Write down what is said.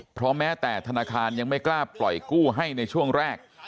เพราะแม้แต่ธนาคารยังไม่กล้าปล่อยกู้ให้ในช่วงแรก